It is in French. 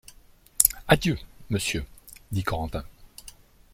Adieu, monsieur, dit Corentin.